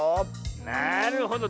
なるほど。